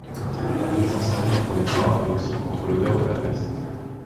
On s'en servit pour les bains et aussi contre l'odeur de la peste.